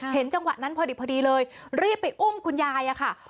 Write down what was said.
จังหวะนั้นพอดีเลยรีบไปอุ้มคุณยายอะค่ะ